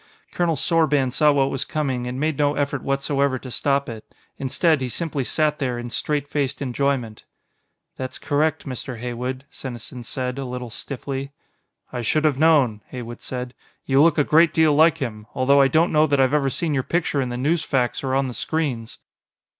Colonel Sorban saw what was coming and made no effort whatsoever to stop it. Instead, he simply sat there in straight faced enjoyment. "That's correct, Mr. Heywood," Senesin said, a little stiffly. "I should have known," Heywood said. "You look a great deal like him. Although I don't know that I've ever seen your picture in the newsfacs or on the screens."